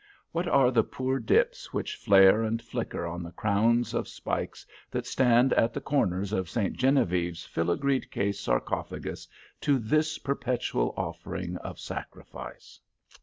What are the poor dips which flare and flicker on the crowns of spikes that stand at the corners of St. Genevieve's filigree cased sarcophagus to this perpetual offering of sacrifice?